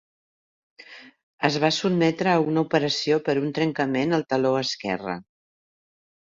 Es va sotmetre a una operació per un trencament al taló esquerra.